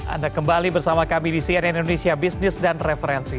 anda kembali bersama kami di cnn indonesia business dan referensi